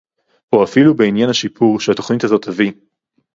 או אפילו בעניין השיפור שהתוכנית הזאת תביא